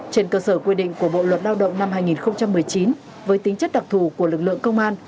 trên cơ sở quy định của bộ luật lao động năm hai nghìn một mươi chín với tính chất đặc thù của lực lượng công an